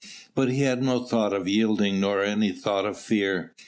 But he had no thought of yielding nor any thought of fear.